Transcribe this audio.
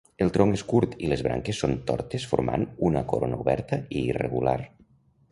El tronc és curt i les branques són tortes formant una corona oberta i irregular.